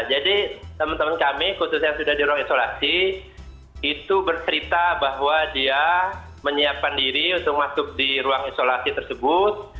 teman teman kami khususnya sudah di ruang isolasi itu bercerita bahwa dia menyiapkan diri untuk masuk di ruang isolasi tersebut